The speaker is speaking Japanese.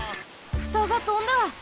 ふたがとんだ！